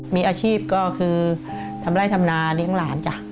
มีอาชีพก็คือทำไร่ทำนาเลี้ยงหลานจ้ะ